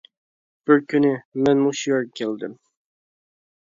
بىر كۈنى، مەنمۇ شۇ يەرگە كەلدىم.